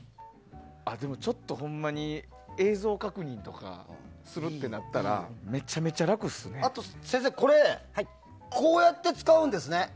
でも、ちょっとほんまに映像確認とかするってなったらあと先生、これこうやって使うんですね。